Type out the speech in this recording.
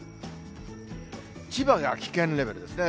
千葉が危険レベルですね。